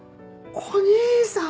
お義兄さん！